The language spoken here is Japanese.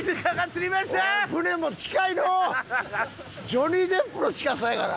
ジョニー・デップの近さやがな。